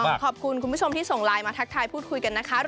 ขอบคุณคุณผู้ชมที่ส่งไลน์มาทักทายพูดคุยกันนะคะ